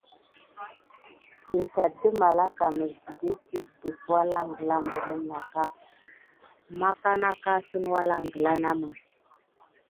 In tat də malaka məs dide səka dələf maɓanbi man aka əsən walangla namə.